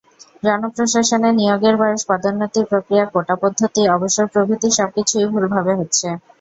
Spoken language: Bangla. জনপ্রশাসনে নিয়োগের বয়স, পদোন্নতির প্রক্রিয়া, কোটা পদ্ধতি, অবসর প্রভৃতি সবকিছুই ভুলভাবে হচ্ছে।